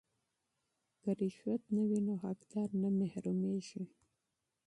که رشوت نه وي نو حقدار نه محرومیږي.